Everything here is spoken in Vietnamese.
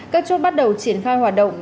các chốt bắt đầu triển khai hoạt động